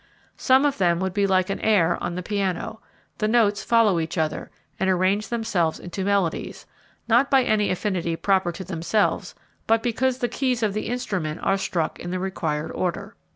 Some of them would be like an air on the piano: the notes follow each other and arrange themselves into melodies, not by any affinity proper to themselves, but because the keys of the instrument are struck in the required order.